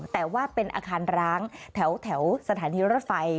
แต่ว่าเป็นอาคารร้างแถวสถานีรถไฟ